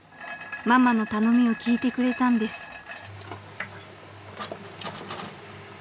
［ママの頼みを聞いてくれたんです］